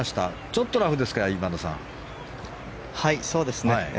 ちょっとラフですか、今田さん。